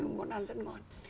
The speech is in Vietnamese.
núi ăn rất ngon